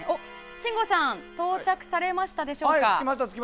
信五さん到着されましたでしょうか。